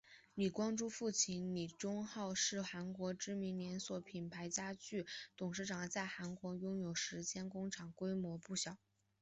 李光洙父亲李宗浩是韩国知名连锁品牌家具董事长在韩国拥有超过十间工厂规模不小。